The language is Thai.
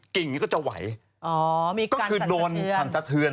มีการศรัสเทื่อน